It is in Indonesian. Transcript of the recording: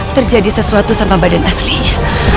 terjadi sesuatu sama badan aslinya